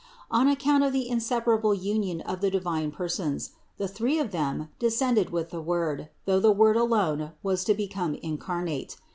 On account of the inseparable union of the di vine Persons, the Three of Them descended with the Word, though the Word alone was to become incarnate.